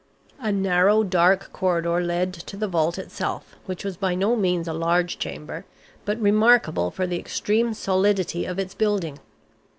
A narrow, dark corridor led to the vault itself, which was by no means a large chamber, but remarkable for the extreme solidity of its building.